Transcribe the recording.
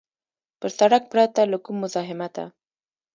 پر سړک پرته له کوم مزاحمته.